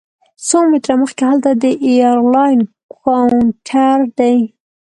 څو متره مخکې هلته د ایرلاین کاونټر دی.